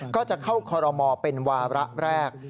ก็จะเข้าคอรมอลเป็นวาระแรก